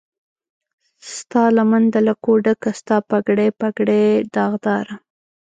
ستالمن د لکو ډکه، ستا پګړۍ، پګړۍ داغداره